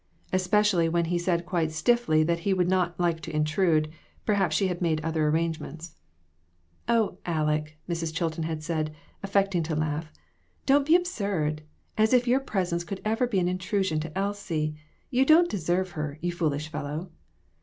Especially when he said quite stiffly that he would not like to intrude; perhaps she had made other arrangements. " Oh, Aleck !" Mrs. Chilton had said, affecting to laugh, "don't be absurd. As if your presence could ever be an intrusion to Elsie! You don't deserve her, you foolish fellow."